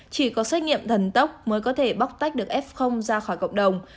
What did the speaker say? chỉ có xét nghiệm thần tốc mới có thể bóc tách được f ra khỏi cộng đồng